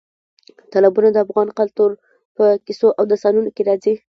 تالابونه د افغان کلتور په کیسو او داستانونو کې دي.